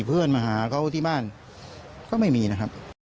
เพื่อนมาหาเขาที่บ้านก็ไม่มีนะครับ